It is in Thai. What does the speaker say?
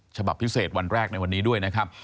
ฉบับพิเศษวันแรกในวันนี้ด้วยนะครับ